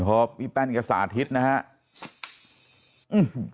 พอพี่แป้นก็สาธิตนะครับ